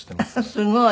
すごい。